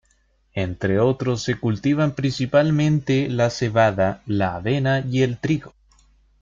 Entre otros se cultivan principalmente la cebada, la avena y el trigo.